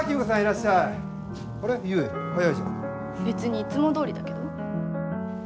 別にいつもどおりだけど？